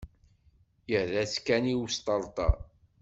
Irra-tt kan i wesṭerṭer.